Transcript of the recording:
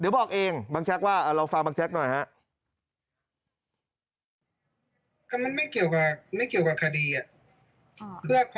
เดี๋ยวบอกเองบังแจ็คว่าเอาเราฟังบังแจ๊คหน่อยค่ะ